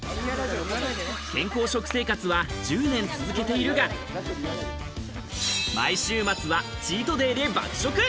健康食生活は１０年続けているが、毎週末はチートデイで爆食。